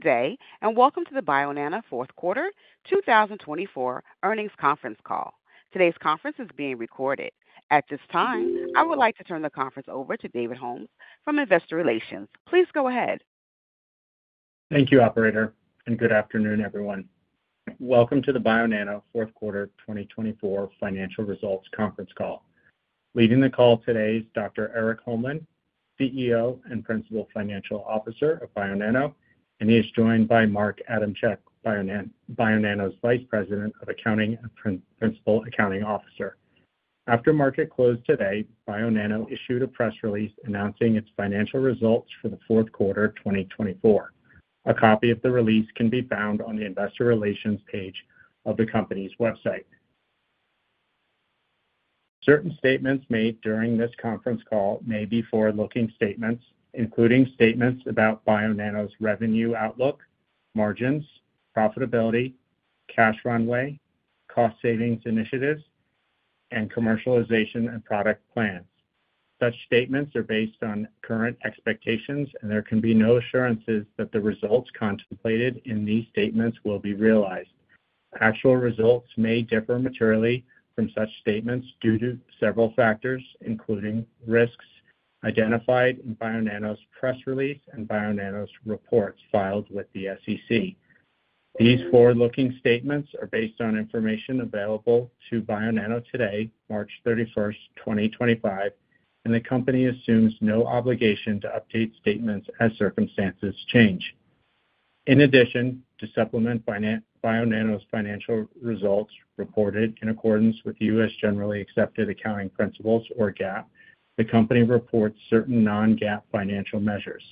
Good day, and welcome to the Bionano fourth quarter 2024 earnings conference call. Today's conference is being recorded. At this time, I would like to turn the conference over to David Holmes from investor relations. Please go ahead. Thank you, Operator, and good afternoon, everyone. Welcome to the Bionano fourth quarter 2024 financial results conference call. Leading the call today is Dr. Erik Holmlin, CEO and Principal Financial Officer of Bionano, and he is joined by Marc Adamczyk, Bionano's Vice President of Accounting and Principal Accounting Officer. After market close today, Bionano issued a press release announcing its financial results for the fourth quarter 2024. A copy of the release can be found on the investor relations page of the company's website. Certain statements made during this conference call may be forward-looking statements, including statements about Bionano's revenue outlook, margins, profitability, cash runway, cost savings initiatives, and commercialization and product plans. Such statements are based on current expectations, and there can be no assurances that the results contemplated in these statements will be realized. Actual results may differ materially from such statements due to several factors, including risks identified in Bionano's press release and Bionano's reports filed with the SEC. These forward-looking statements are based on information available to Bionano today, March 31st, 2025, and the company assumes no obligation to update statements as circumstances change. In addition, to supplement Bionano's financial results reported in accordance with U.S. Generally Accepted Accounting Principles, or GAAP, the company reports certain non-GAAP financial measures.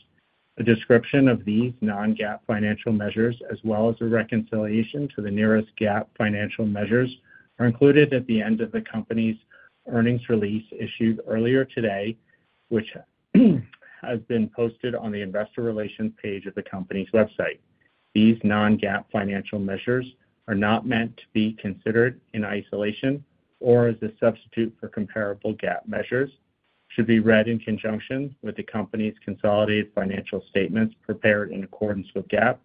A description of these non-GAAP financial measures, as well as a reconciliation to the nearest GAAP financial measures, are included at the end of the company's earnings release issued earlier today, which has been posted on the investor relations page of the company's website. These non-GAAP financial measures are not meant to be considered in isolation or as a substitute for comparable GAAP measures, should be read in conjunction with the company's consolidated financial statements prepared in accordance with GAAP,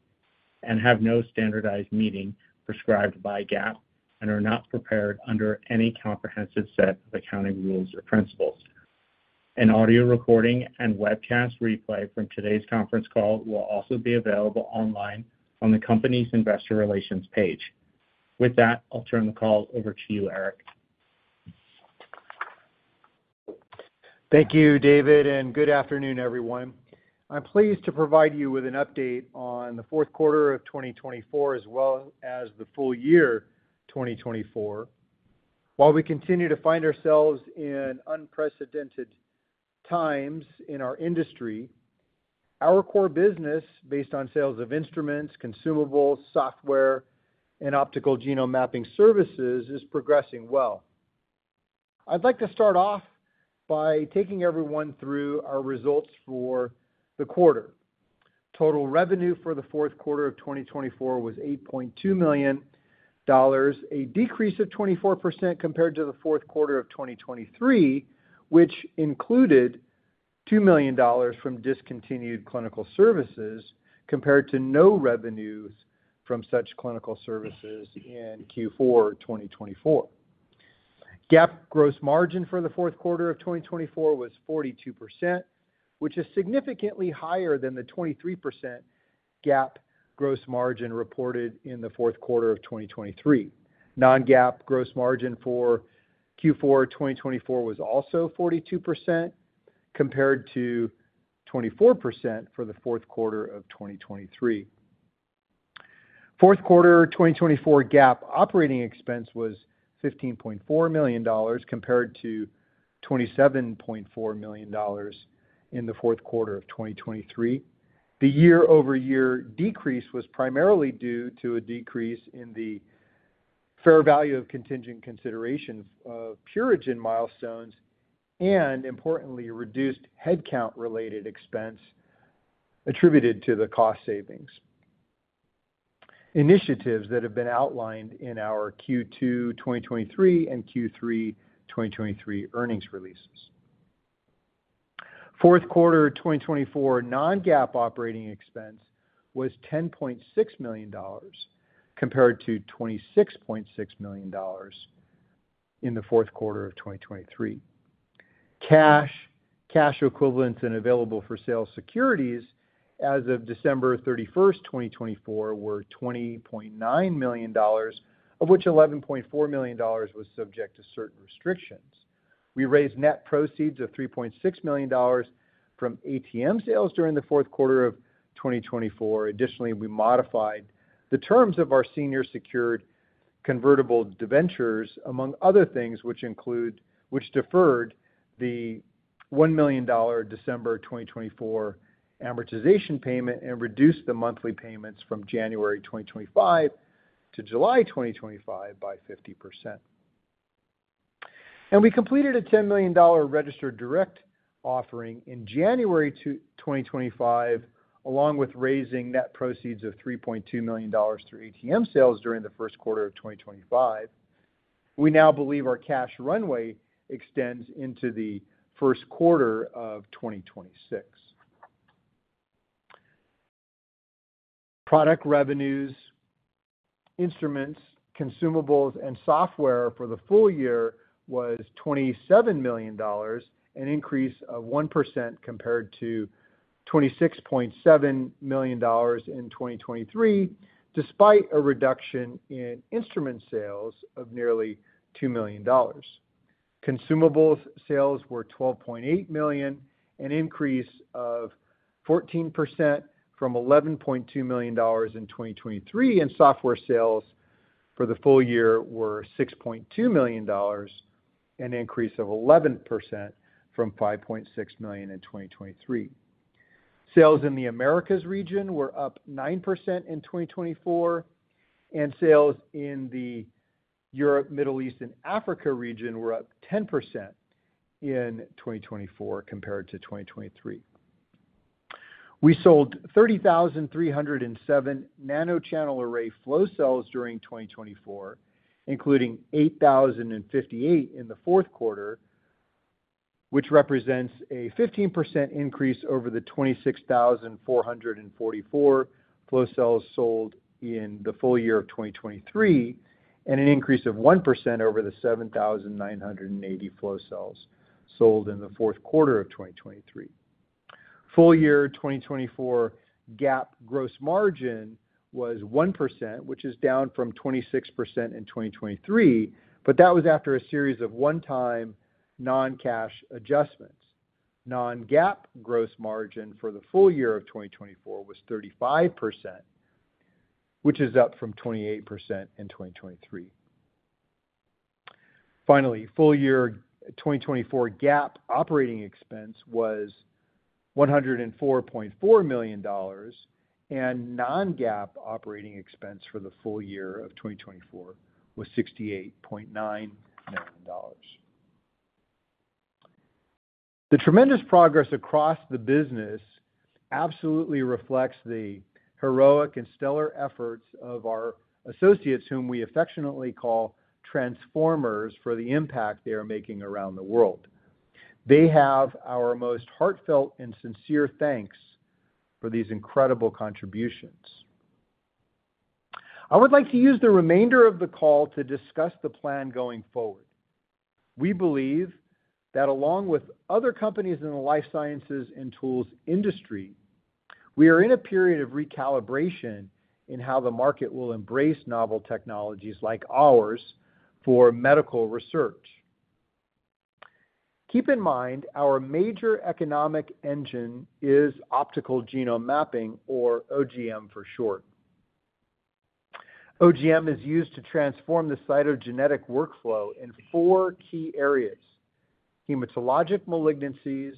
and have no standardized meaning prescribed by GAAP, and are not prepared under any comprehensive set of accounting rules or principles. An audio recording and webcast replay from today's conference call will also be available online on the company's investor relations page. With that, I'll turn the call over to you, Erik. Thank you, David, and good afternoon, everyone. I'm pleased to provide you with an update on the fourth quarter of 2024, as well as the full year 2024. While we continue to find ourselves in unprecedented times in our industry, our core business, based on sales of instruments, consumables, software, and optical genome mapping services, is progressing well. I'd like to start off by taking everyone through our results for the quarter. Total revenue for the fourth quarter of 2024 was $8.2 million, a decrease of 24% compared to the fourth quarter of 2023, which included $2 million from discontinued clinical services compared to no revenues from such clinical services in Q4 2024. GAAP gross margin for the fourth quarter of 2024 was 42%, which is significantly higher than the 23% GAAP gross margin reported in the fourth quarter of 2023. Non-GAAP gross margin for Q4 2024 was also 42% compared to 24% for the fourth quarter of 2023. Fourth quarter 2024 GAAP operating expense was $15.4 million compared to $27.4 million in the fourth quarter of 2023. The year-over-year decrease was primarily due to a decrease in the fair value of contingent consideration of Purigen milestones and, importantly, reduced headcount-related expense attributed to the cost savings initiatives that have been outlined in our Q2 2023 and Q3 2023 earnings releases. Fourth quarter 2024 non-GAAP operating expense was $10.6 million compared to $26.6 million in the fourth quarter of 2023. Cash, cash equivalents, and available for sale securities as of December 31st, 2024, were $20.9 million, of which $11.4 million was subject to certain restrictions. We raised net proceeds of $3.6 million from ATM sales during the fourth quarter of 2024. Additionally, we modified the terms of our senior secured convertible debentures, among other things, which deferred the $1 million December 2024 amortization payment and reduced the monthly payments from January 2025 to July 2025 by 50%. We completed a $10 million registered direct offering in January 2025, along with raising net proceeds of $3.2 million through ATM sales during the first quarter of 2025. We now believe our cash runway extends into the first quarter of 2026. Product revenues, instruments, consumables, and software for the full year was $27 million, an increase of 1% compared to $26.7 million in 2023, despite a reduction in instrument sales of nearly $2 million. Consumables sales were $12.8 million, an increase of 14% from $11.2 million in 2023, and software sales for the full year were $6.2 million, an increase of 11% from $5.6 million in 2023. Sales in the Americas region were up 9% in 2024, and sales in the Europe, Middle East, and Africa region were up 10% in 2024 compared to 2023. We sold 30,307 nanochannel array flow cells during 2024, including 8,058 in the fourth quarter, which represents a 15% increase over the 26,444 flow cells sold in the full year of 2023, and an increase of 1% over the 7,980 flow cells sold in the fourth quarter of 2023. Full year 2024 GAAP gross margin was 1%, which is down from 26% in 2023, but that was after a series of one-time non-cash adjustments. Non-GAAP gross margin for the full year of 2024 was 35%, which is up from 28% in 2023. Finally, full year 2024 GAAP operating expense was $104.4 million, and non-GAAP operating expense for the full year of 2024 was $68.9 million. The tremendous progress across the business absolutely reflects the heroic and stellar efforts of our associates, whom we affectionately call Transformers, for the impact they are making around the world. They have our most heartfelt and sincere thanks for these incredible contributions. I would like to use the remainder of the call to discuss the plan going forward. We believe that along with other companies in the life sciences and tools industry, we are in a period of recalibration in how the market will embrace novel technologies like ours for medical research. Keep in mind our major economic engine is optical genome mapping, or OGM for short. OGM is used to transform the cytogenetic workflow in four key areas: hematologic malignancies,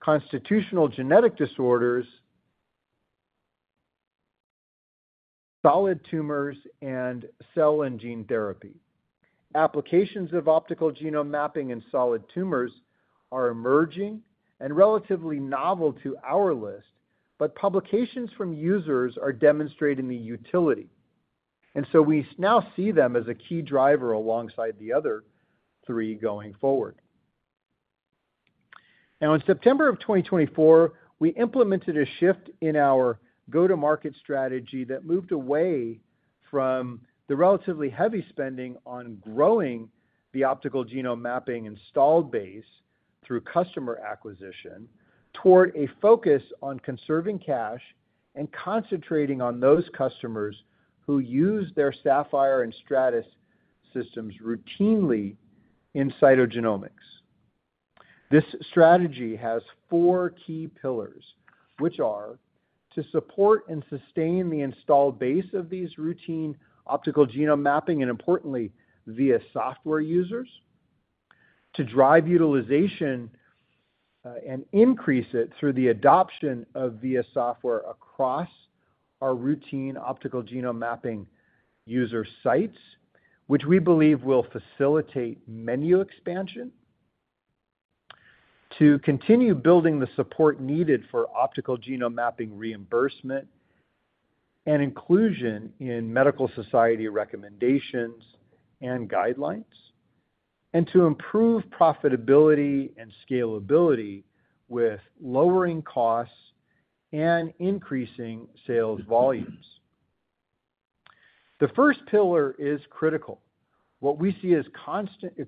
constitutional genetic disorders, solid tumors, and cell and gene therapy. Applications of optical genome mapping and solid tumors are emerging and relatively novel to our list, but publications from users are demonstrating the utility, and so we now see them as a key driver alongside the other three going forward. Now, in September of 2024, we implemented a shift in our go-to-market strategy that moved away from the relatively heavy spending on growing the optical genome mapping installed base through customer acquisition toward a focus on conserving cash and concentrating on those customers who use their Saphyr and Stratus systems routinely in cytogenomics. This strategy has four key pillars, which are to support and sustain the installed base of these routine optical genome mapping, and importantly, VIA software users, to drive utilization and increase it through the adoption of VIA software across our routine optical genome mapping user sites, which we believe will facilitate menu expansion, to continue building the support needed for optical genome mapping reimbursement and inclusion in medical society recommendations and guidelines, and to improve profitability and scalability with lowering costs and increasing sales volumes. The first pillar is critical. What we see is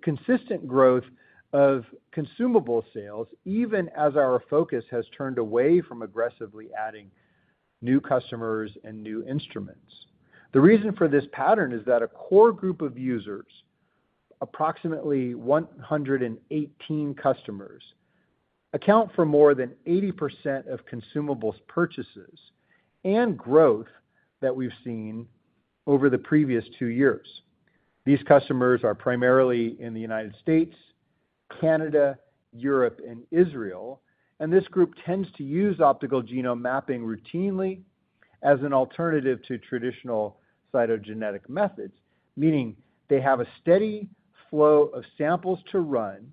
consistent growth of consumable sales, even as our focus has turned away from aggressively adding new customers and new instruments. The reason for this pattern is that a core group of users, approximately 118 customers, account for more than 80% of consumables purchases and growth that we've seen over the previous two years. These customers are primarily in the United States, Canada, Europe, and Israel, and this group tends to use optical genome mapping routinely as an alternative to traditional cytogenetic methods, meaning they have a steady flow of samples to run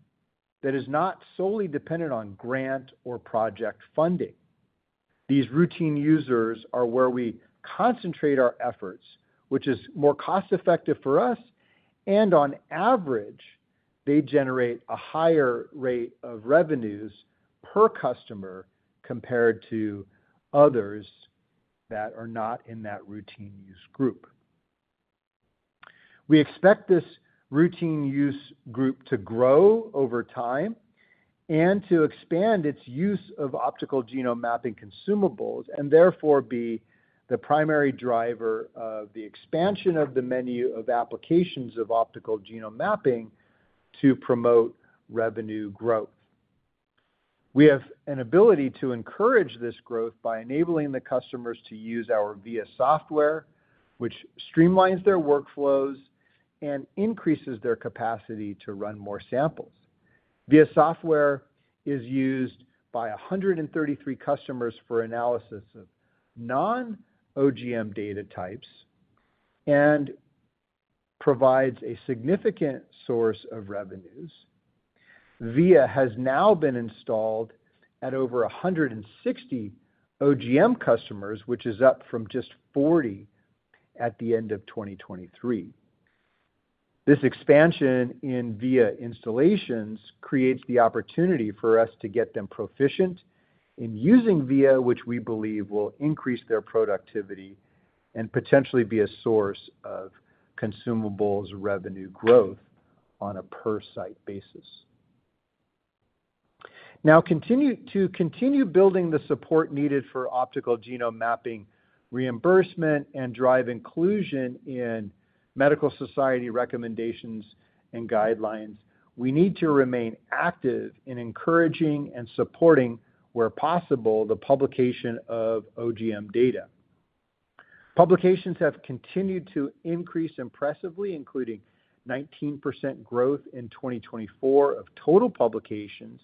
that is not solely dependent on grant or project funding. These routine users are where we concentrate our efforts, which is more cost-effective for us, and on average, they generate a higher rate of revenues per customer compared to others that are not in that routine use group. We expect this routine use group to grow over time and to expand its use of optical genome mapping consumables and therefore be the primary driver of the expansion of the menu of applications of optical genome mapping to promote revenue growth. We have an ability to encourage this growth by enabling the customers to use our VIA software, which streamlines their workflows and increases their capacity to run more samples. VIA software is used by 133 customers for analysis of non-OGM data types and provides a significant source of revenues. VIA has now been installed at over 160 OGM customers, which is up from just 40 at the end of 2023. This expansion in VIA installations creates the opportunity for us to get them proficient in using VIA, which we believe will increase their productivity and potentially be a source of consumables revenue growth on a per-site basis. Now, to continue building the support needed for optical genome mapping reimbursement and drive inclusion in medical society recommendations and guidelines, we need to remain active in encouraging and supporting, where possible, the publication of OGM data. Publications have continued to increase impressively, including 19% growth in 2024 of total publications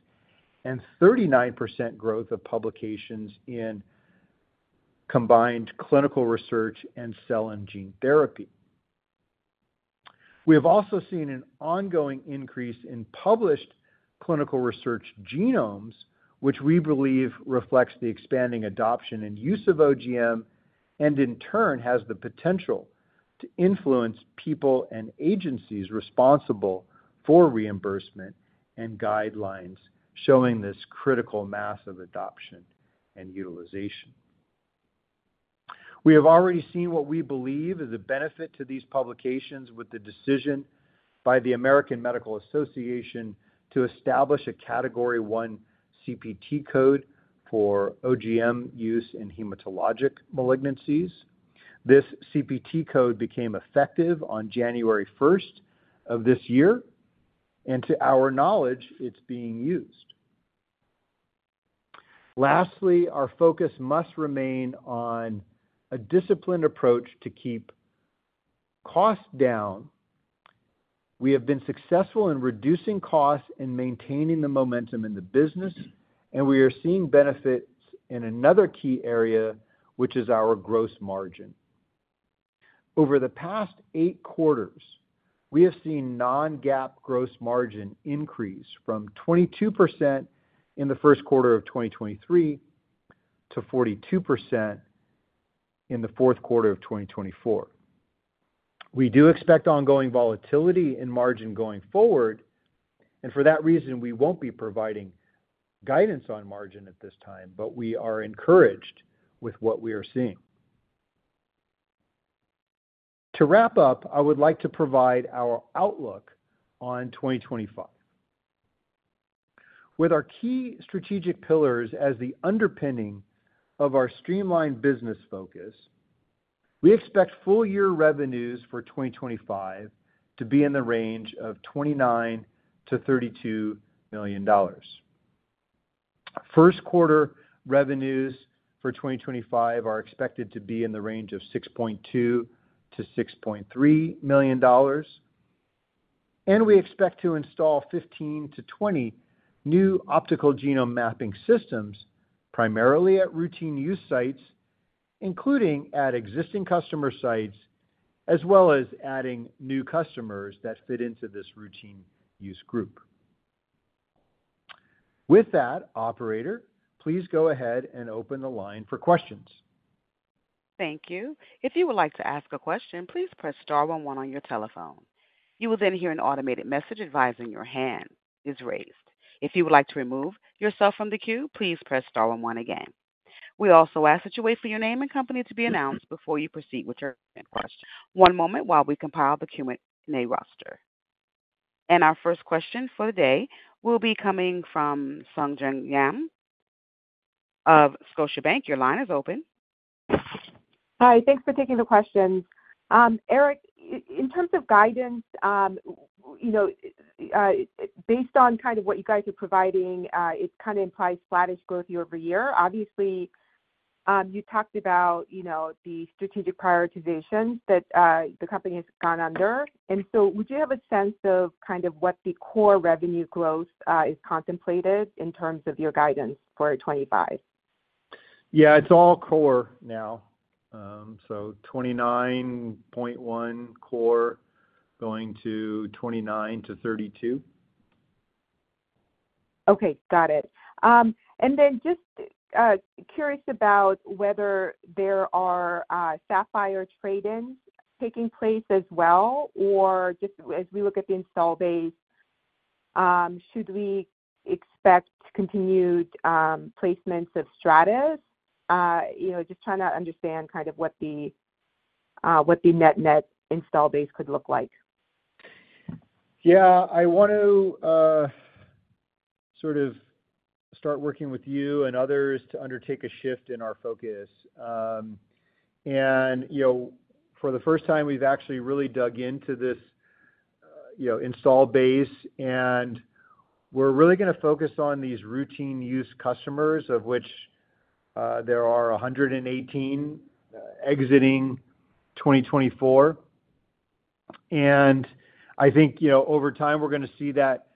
and 39% growth of publications in combined clinical research and cell and gene therapy. We have also seen an ongoing increase in published clinical research genomes, which we believe reflects the expanding adoption and use of OGM and, in turn, has the potential to influence people and agencies responsible for reimbursement and guidelines showing this critical mass of adoption and utilization. We have already seen what we believe is a benefit to these publications with the decision by the American Medical Association to establish a Category I CPT code for OGM use in hematologic malignancies. This CPT code became effective on January 1st of this year, and to our knowledge, it's being used. Lastly, our focus must remain on a disciplined approach to keep costs down. We have been successful in reducing costs and maintaining the momentum in the business, and we are seeing benefits in another key area, which is our gross margin. Over the past eight quarters, we have seen non-GAAP gross margin increase from 22% in the first quarter of 2023 to 42% in the fourth quarter of 2024. We do expect ongoing volatility in margin going forward, and for that reason, we won't be providing guidance on margin at this time, but we are encouraged with what we are seeing. To wrap up, I would like to provide our outlook on 2025. With our key strategic pillars as the underpinning of our streamlined business focus, we expect full year revenues for 2025 to be in the range of $29 million-$32 million. First quarter revenues for 2025 are expected to be in the range of $6.2 million-$6.3 million, and we expect to install 15-20 new optical genome mapping systems, primarily at routine use sites, including at existing customer sites, as well as adding new customers that fit into this routine use group. With that, Operator, please go ahead and open the line for questions. Thank you. If you would like to ask a question, please press star 11 on your telephone. You will then hear an automated message advising your hand is raised. If you would like to remove yourself from the queue, please press star 11 again. We also ask that you wait for your name and company to be announced before you proceed with your question. One moment while we compile the Q&A roster. Our first question for the day will be coming from Sung Ji Nam of Scotiabank. Your line is open. Hi. Thanks for taking the question. Erik, in terms of guidance, based on kind of what you guys are providing, it kind of implies flattish growth year over year. Obviously, you talked about the strategic prioritizations that the company has gone under. Would you have a sense of kind of what the core revenue growth is contemplated in terms of your guidance for 2025? Yeah. It's all core now. So $29.1 million core going to $29 million-$32 million. Okay. Got it. And then just curious about whether there are Saphyr trade-ins taking place as well, or just as we look at the install base, should we expect continued placements of Stratus? Just trying to understand kind of what the net-net install base could look like. Yeah. I want to sort of start working with you and others to undertake a shift in our focus. For the first time, we've actually really dug into this install base, and we're really going to focus on these routine use customers, of which there are 118 exiting 2024. I think over time, we're going to see that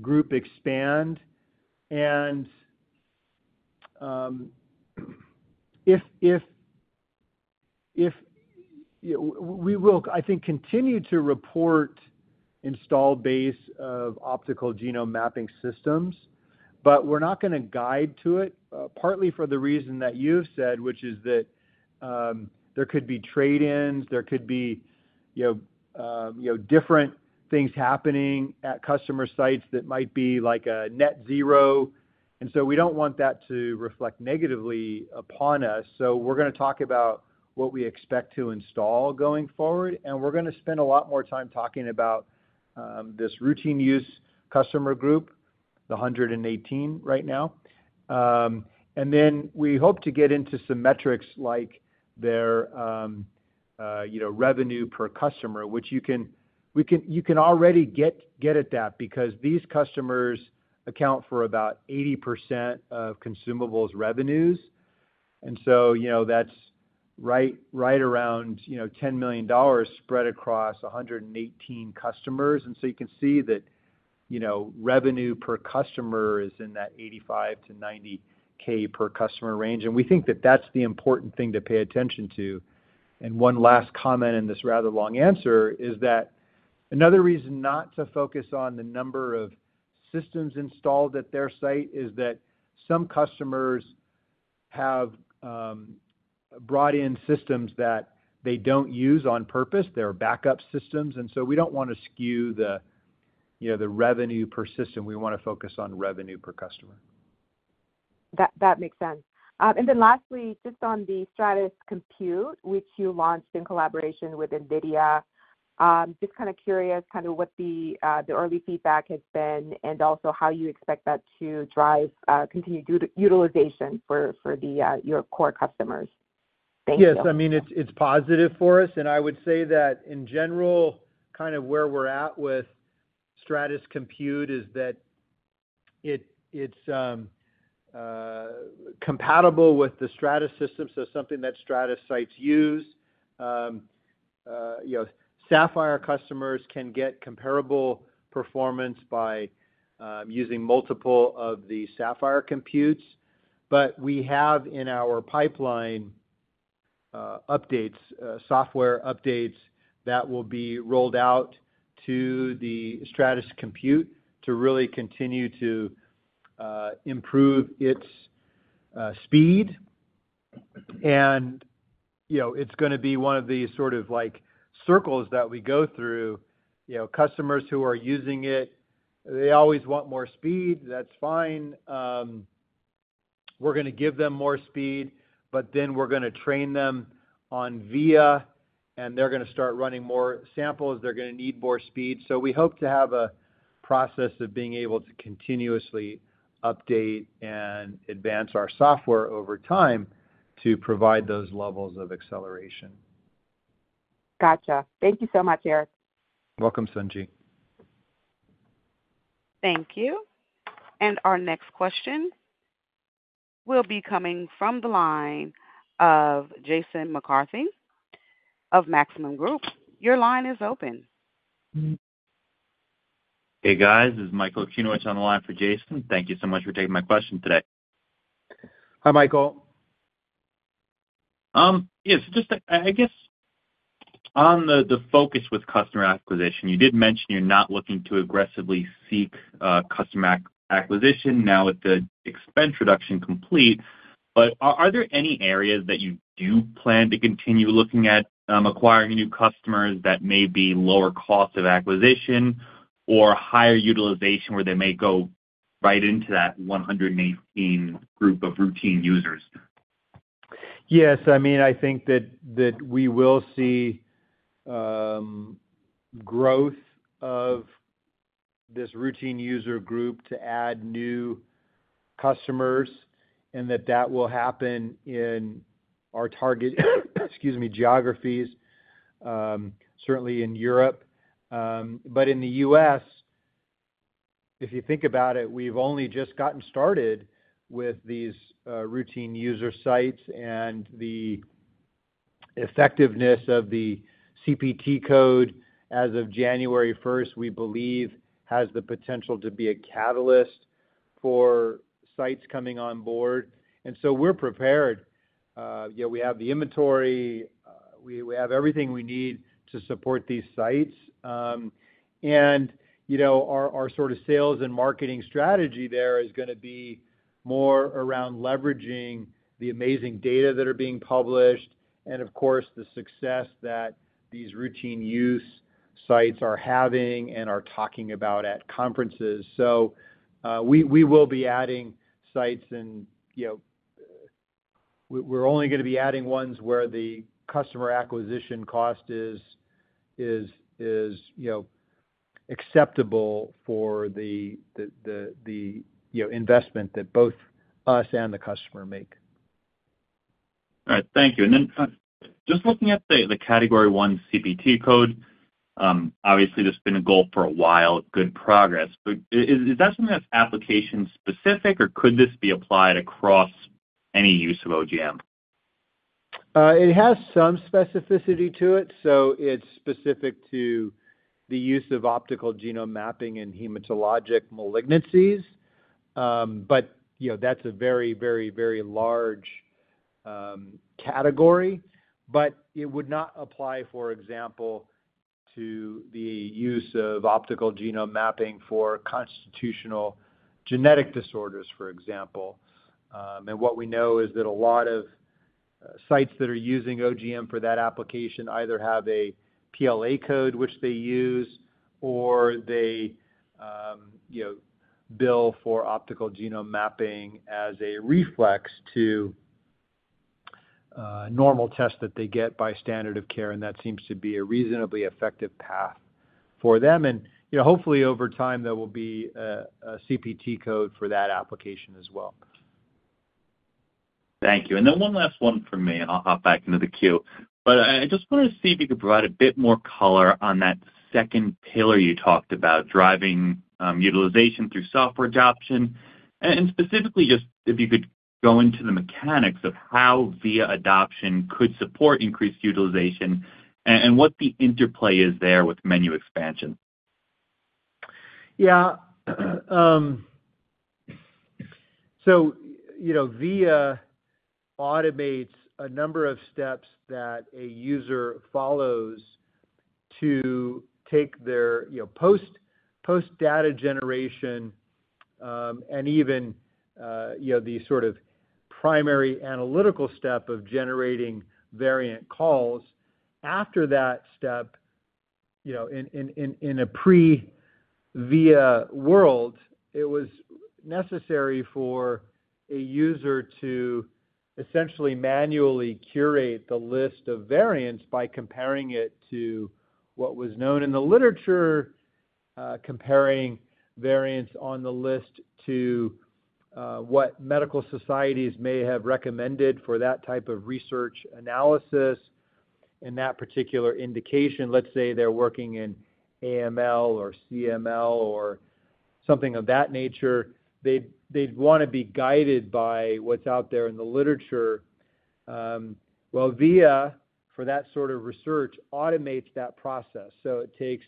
group expand. We will, I think, continue to report install base of optical genome mapping systems, but we're not going to guide to it, partly for the reason that you've said, which is that there could be trade-ins. There could be different things happening at customer sites that might be like a net zero. We do not want that to reflect negatively upon us. We're going to talk about what we expect to install going forward, and we're going to spend a lot more time talking about this routine use customer group, the 118 right now. We hope to get into some metrics like their revenue per customer, which you can already get at that because these customers account for about 80% of consumables revenues. That's right around $10 million spread across 118 customers. You can see that revenue per customer is in that $85,000-$90,000 per customer range. We think that that's the important thing to pay attention to. One last comment in this rather long answer is that another reason not to focus on the number of systems installed at their site is that some customers have brought in systems that they don't use on purpose. They're backup systems. We do not want to skew the revenue per system. We want to focus on revenue per customer. That makes sense. Lastly, just on the Stratus Compute, which you launched in collaboration with NVIDIA, just kind of curious what the early feedback has been and also how you expect that to drive continued utilization for your core customers. Thank you. Yes. I mean, it is positive for us. I would say that in general, where we are at with Stratus Compute is that it is compatible with the Stratus system, so something that Stratus sites use. Saphyr customers can get comparable performance by using multiple of the Saphyr computes. We have in our pipeline software updates that will be rolled out to the Stratus Compute to really continue to improve its speed. It's going to be one of these sort of circles that we go through. Customers who are using it, they always want more speed. That's fine. We're going to give them more speed, but then we're going to train them on VIA, and they're going to start running more samples. They're going to need more speed. We hope to have a process of being able to continuously update and advance our software over time to provide those levels of acceleration. Gotcha. Thank you so much, Erik. Welcome, Sung Ji. Thank you. Our next question will be coming from the line of Jason McCarthy of Maxim Group. Your line is open. Hey, guys. This is Michael Okunewitch on the line for Jason. Thank you so much for taking my question today. Hi, Michael. Yes. Just I guess on the focus with customer acquisition, you did mention you're not looking to aggressively seek customer acquisition now with the expense reduction complete. Are there any areas that you do plan to continue looking at acquiring new customers that may be lower cost of acquisition or higher utilization where they may go right into that 118 group of routine users? Yes. I mean, I think that we will see growth of this routine user group to add new customers and that that will happen in our target geographies, certainly in Europe. In the U.S., if you think about it, we've only just gotten started with these routine user sites, and the effectiveness of the CPT code as of January 1st, we believe, has the potential to be a catalyst for sites coming on board. We are prepared. We have the inventory. We have everything we need to support these sites. Our sort of sales and marketing strategy there is going to be more around leveraging the amazing data that are being published and, of course, the success that these routine use sites are having and are talking about at conferences. We will be adding sites, and we're only going to be adding ones where the customer acquisition cost is acceptable for the investment that both us and the customer make. All right. Thank you. Just looking at the Category I CPT code, obviously, there's been a goal for a while of good progress. Is that something that's application-specific, or could this be applied across any use of OGM? It has some specificity to it. It is specific to the use of optical genome mapping in hematologic malignancies. That is a very, very, very large category. It would not apply, for example, to the use of optical genome mapping for constitutional genetic disorders, for example. What we know is that a lot of sites that are using OGM for that application either have a PLA code, which they use, or they bill for optical genome mapping as a reflex to normal tests that they get by standard of care. That seems to be a reasonably effective path for them. Hopefully, over time, there will be a CPT code for that application as well. Thank you. One last one for me, and I'll hop back into the queue. I just wanted to see if you could provide a bit more color on that second pillar you talked about, driving utilization through software adoption. Specifically, just if you could go into the mechanics of how VIA adoption could support increased utilization and what the interplay is there with menu expansion. Yeah. VIA automates a number of steps that a user follows to take their post-data generation and even the sort of primary analytical step of generating variant calls. After that step, in a pre-VIA world, it was necessary for a user to essentially manually curate the list of variants by comparing it to what was known in the literature, comparing variants on the list to what medical societies may have recommended for that type of research analysis. In that particular indication, let's say they're working in AML or CML or something of that nature, they'd want to be guided by what's out there in the literature. VIA, for that sort of research, automates that process. It takes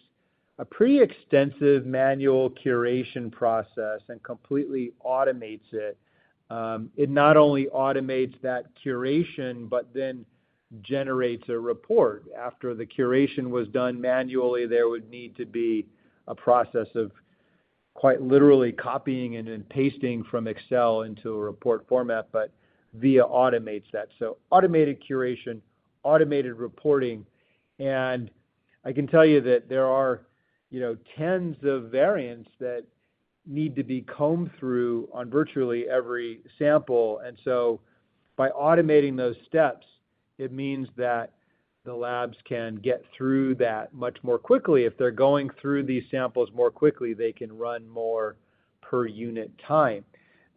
a pretty extensive manual curation process and completely automates it. It not only automates that curation, but then generates a report. After the curation was done manually, there would need to be a process of quite literally copying and then pasting from Excel into a report format, but VIA automates that. Automated curation, automated reporting. I can tell you that there are tens of variants that need to be combed through on virtually every sample. By automating those steps, it means that the labs can get through that much more quickly. If they're going through these samples more quickly, they can run more per unit time.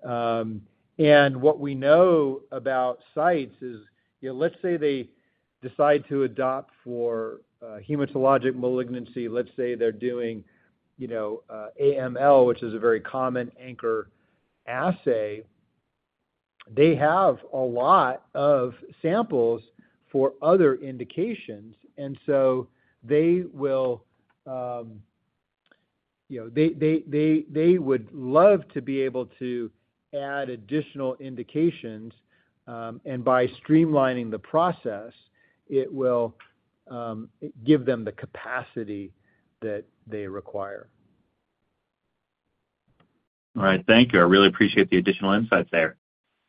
What we know about sites is, let's say they decide to adopt for hematologic malignancy, let's say they're doing AML, which is a very common anchor assay, they have a lot of samples for other indications. They would love to be able to add additional indications. By streamlining the process, it will give them the capacity that they require. All right. Thank you. I really appreciate the additional insights there.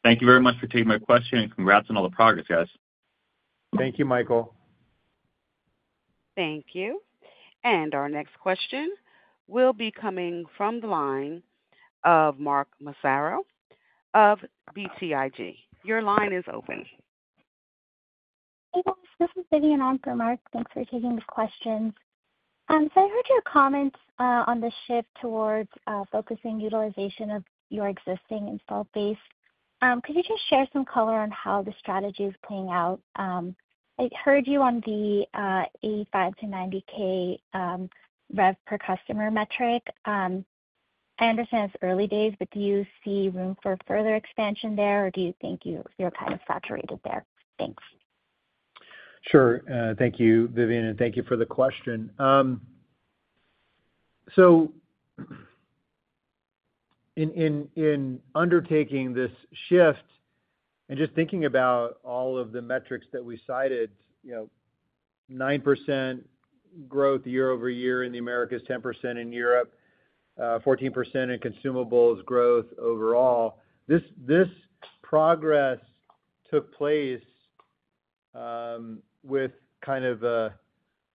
Thank you very much for taking my question and congrats on all the progress, guys. Thank you, Michael. Thank you. Our next question will be coming from the line of Mark Massaro of BTIG. Your line is open. Hey, guys. This is Vidyun and I'm from Mark. Thanks for taking the questions. I heard your comments on the shift towards focusing utilization of your existing install base. Could you just share some color on how the strategy is playing out? I heard you on the $85,000-$90,000 revenue per customer metric. I understand it's early days, but do you see room for further expansion there, or do you think you're kind of saturated there? Thanks. Sure. Thank you, Vidyun, and thank you for the question. In undertaking this shift and just thinking about all of the metrics that we cited, 9% growth year over year in the Americas, 10% in Europe, 14% in consumables growth overall, this progress took place with kind of a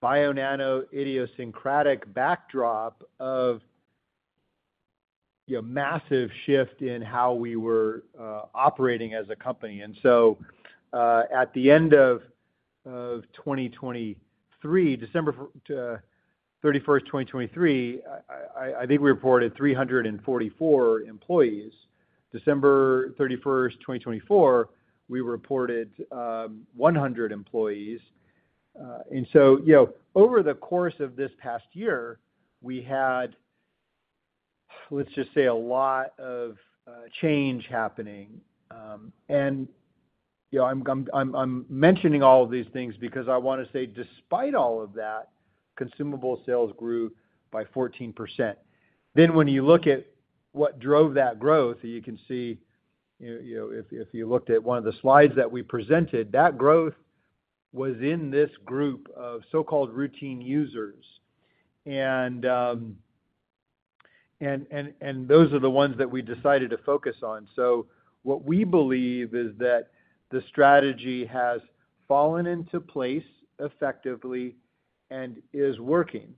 Bionano idiosyncratic backdrop of massive shift in how we were operating as a company. At the end of 2023, December 31st, 2023, I think we reported 344 employees. December 31st, 2024, we reported 100 employees. Over the course of this past year, we had, let's just say, a lot of change happening. I'm mentioning all of these things because I want to say, despite all of that, consumable sales grew by 14%. When you look at what drove that growth, you can see if you looked at one of the slides that we presented, that growth was in this group of so-called routine users. Those are the ones that we decided to focus on. What we believe is that the strategy has fallen into place effectively and is working.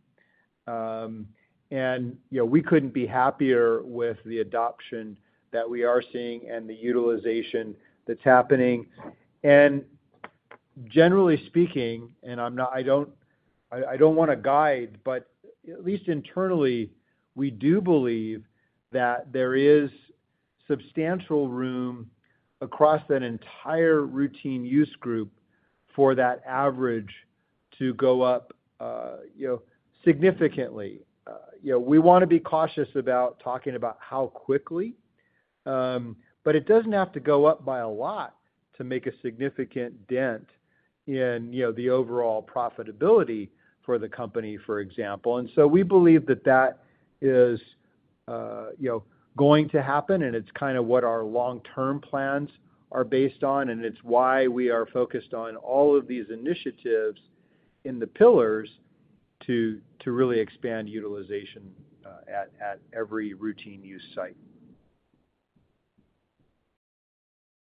We couldn't be happier with the adoption that we are seeing and the utilization that's happening. Generally speaking, and I don't want to guide, but at least internally, we do believe that there is substantial room across that entire routine use group for that average to go up significantly. We want to be cautious about talking about how quickly, but it doesn't have to go up by a lot to make a significant dent in the overall profitability for the company, for example. We believe that that is going to happen, and it's kind of what our long-term plans are based on, and it's why we are focused on all of these initiatives in the pillars to really expand utilization at every routine use site.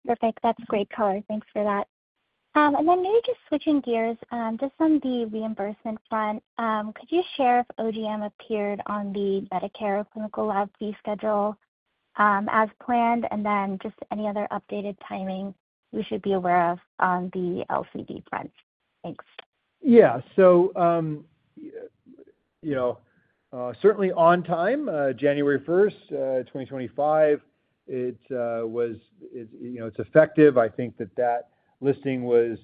Perfect. That's great color. Thanks for that. Maybe just switching gears, just on the reimbursement front, could you share if OGM appeared on the Medicare Clinical Lab fee schedule as planned? Just any other updated timing we should be aware of on the LCD front. Thanks. Yeah. Certainly on time, January 1st, 2025, it's effective. I think that that listing was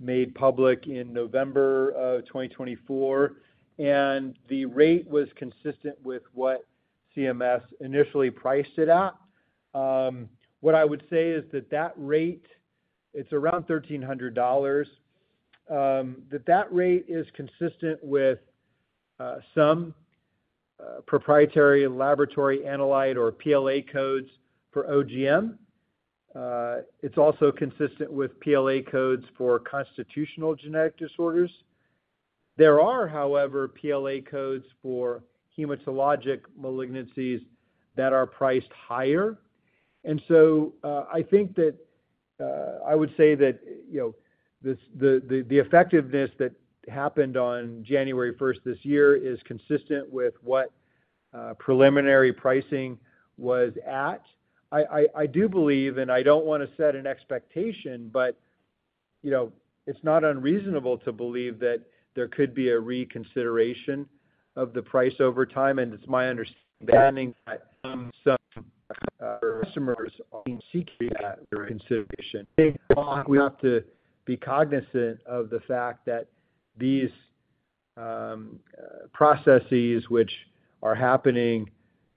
made public in November of 2024, and the rate was consistent with what CMS initially priced it at. What I would say is that that rate, it's around $1,300. That rate is consistent with some Proprietary Laboratory Analyses or PLA codes for OGM. It's also consistent with PLA codes for constitutional genetic disorders. There are, however, PLA codes for hematologic malignancies that are priced higher. I think that I would say that the effectiveness that happened on January 1st this year is consistent with what preliminary pricing was at. I do believe, and I don't want to set an expectation, but it's not unreasonable to believe that there could be a reconsideration of the price over time. It's my understanding that some customers are seeking that reconsideration. We have to be cognizant of the fact that these processes, which are happening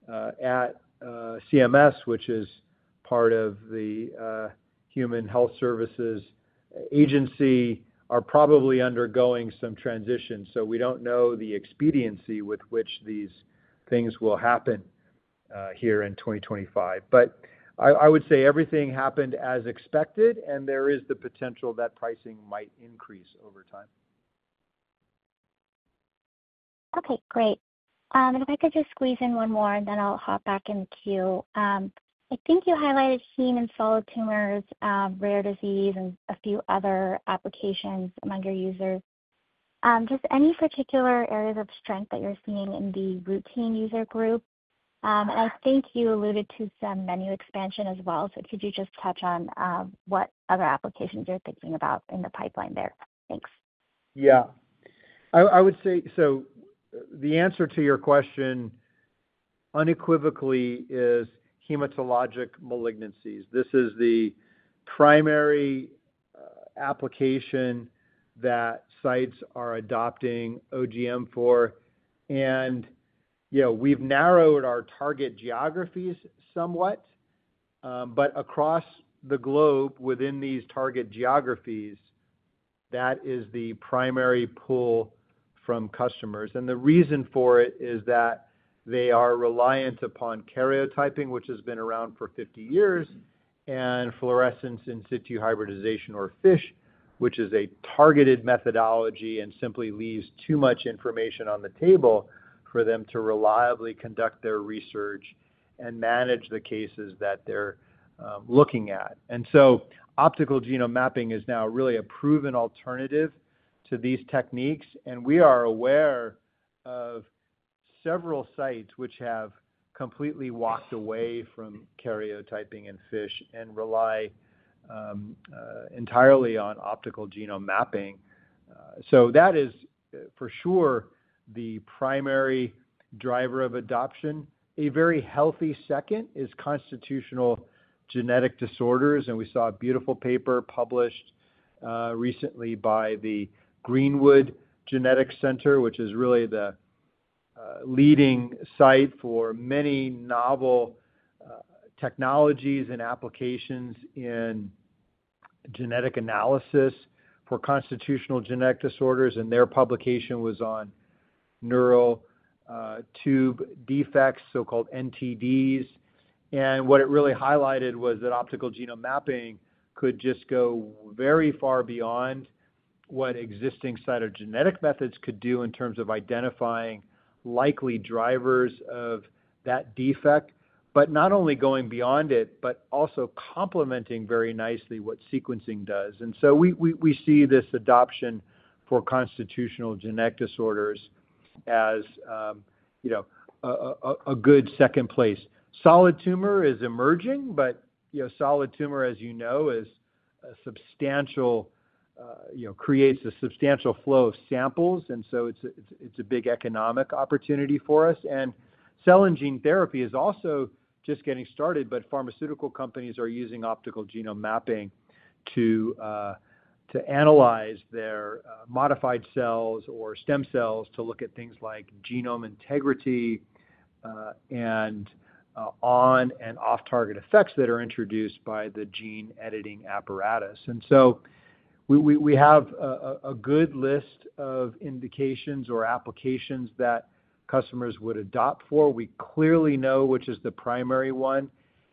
at CMS, which is part of the U.S. Department of Health and Human Services, are probably undergoing some transition. We do not know the expediency with which these things will happen here in 2025. I would say everything happened as expected, and there is the potential that pricing might increase over time. Okay. Great. If I could just squeeze in one more, then I'll hop back in the queue. I think you highlighted heme and solid tumors, rare disease, and a few other applications among your users. Just any particular areas of strength that you're seeing in the routine user group? I think you alluded to some menu expansion as well. Could you just touch on what other applications you're thinking about in the pipeline there? Thanks. Yeah. I would say, the answer to your question unequivocally is hematologic malignancies. This is the primary application that sites are adopting OGM for. We have narrowed our target geographies somewhat. Across the globe, within these target geographies, that is the primary pull from customers. The reason for it is that they are reliant upon karyotyping, which has been around for 50 years, and fluorescence in situ hybridization, or FISH, which is a targeted methodology and simply leaves too much information on the table for them to reliably conduct their research and manage the cases that they are looking at. Optical genome mapping is now really a proven alternative to these techniques. We are aware of several sites which have completely walked away from karyotyping and FISH and rely entirely on optical genome mapping. That is, for sure, the primary driver of adoption. A very healthy second is constitutional genetic disorders. We saw a beautiful paper published recently by the Greenwood Genetic Center, which is really the leading site for many novel technologies and applications in genetic analysis for constitutional genetic disorders. Their publication was on neural tube defects, so-called NTDs. What it really highlighted was that optical genome mapping could just go very far beyond what existing cytogenetic methods could do in terms of identifying likely drivers of that defect, but not only going beyond it, but also complementing very nicely what sequencing does. We see this adoption for constitutional genetic disorders as a good second place. Solid tumor is emerging, but solid tumor, as you know, creates a substantial flow of samples. It is a big economic opportunity for us. Cell and gene therapy is also just getting started, but pharmaceutical companies are using optical genome mapping to analyze their modified cells or stem cells to look at things like genome integrity and on- and off-target effects that are introduced by the gene editing apparatus. We have a good list of indications or applications that customers would adopt for. We clearly know which is the primary one.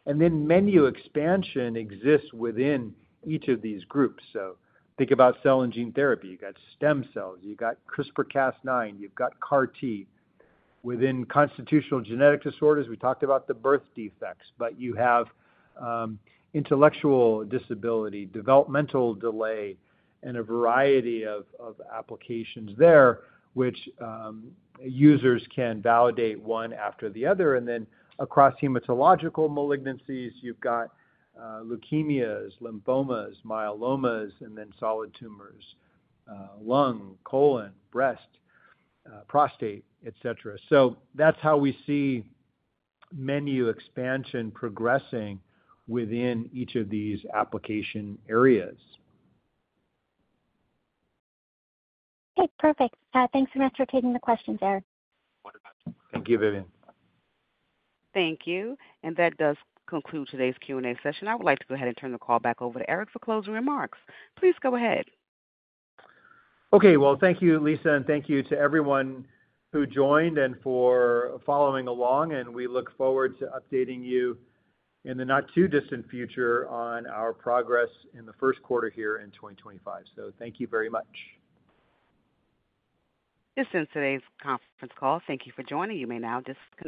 Menu expansion exists within each of these groups. Think about cell and gene therapy. You've got stem cells. You've got CRISPR-Cas9. You've got CAR-T. Within constitutional genetic disorders, we talked about the birth defects, but you have intellectual disability, developmental delay, and a variety of applications there, which users can validate one after the other. Across hematologic malignancies, you've got leukemias, lymphomas, myelomas, and then solid tumors, lung, colon, breast, prostate, etc. That's how we see menu expansion progressing within each of these application areas. Okay. Perfect. Thanks so much for taking the questions, Erik. Thank you, Vidyun. Thank you. That does conclude today's Q&A session. I would like to go ahead and turn the call back over to Erik for closing remarks. Please go ahead. Okay. Thank you, Lisa, and thank you to everyone who joined and for following along. We look forward to updating you in the not too distant future on our progress in the first quarter here in 2025. Thank you very much. This ends today's conference call. Thank you for joining. You may now disconnect.